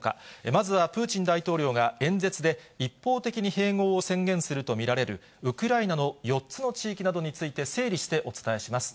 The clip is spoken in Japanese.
まずはプーチン大統領が演説で一方的に併合を宣言すると見られる、ウクライナの４つの地域などについて整理してお伝えします。